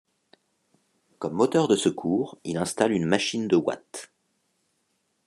Comme moteur de secours il installe une machine de Watt.